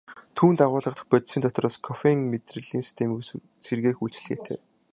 Түүнд агуулагдах бодисын дотроос кофеин мэдрэлийн системийг сэргээх үйлчилгээтэй.